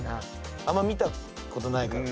あんま見たことないから。